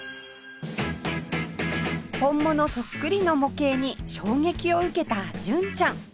本物そっくりの模型に衝撃を受けた純ちゃん